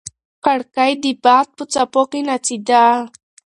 کړکۍ د باد په څپو کې ناڅېده.